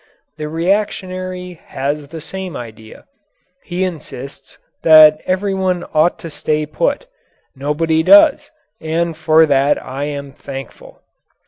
The reactionary has the same idea. He insists that everyone ought to stay put. Nobody does, and for that I am thankful.